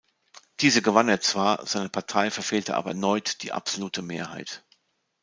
Diese gewann er zwar, seine Partei verfehlte aber erneut die absolute Mehrheit.